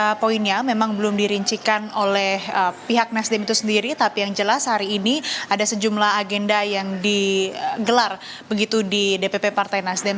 nah poinnya memang belum dirincikan oleh pihak nasdem itu sendiri tapi yang jelas hari ini ada sejumlah agenda yang digelar begitu di dpp partai nasdem